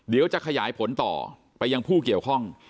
เดี๋ยวจะขยายผลต่อไปยังผู้เกี่ยวข้อง